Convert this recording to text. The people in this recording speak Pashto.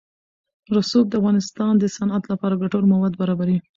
رسوب د افغانستان د صنعت لپاره ګټور مواد برابروي.